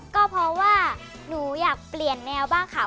ก็เพราะว่าหนูอยากเปลี่ยนแนวบ้างค่ะ